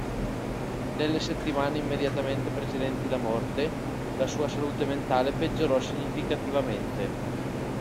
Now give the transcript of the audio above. Nelle settimane immediatamente precedenti la morte, la sua salute mentale peggiorò significativamente.